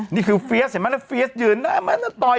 นี่คือเฟียสเห็นไหมฟียสอยู่นั่นต่อย